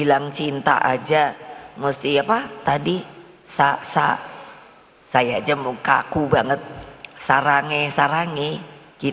aku banget sarangi sarangi